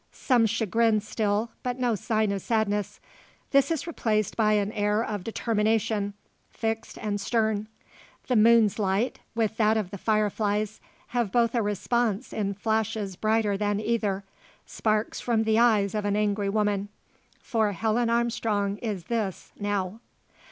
Some chagrin still, but no sign of sadness. This is replaced by an air of determination, fixed and stern. The moon's light, with that of the fire flies, have both a response in flashes brighter than either sparks from the eyes of an angry woman. For Helen Armstrong is this, now.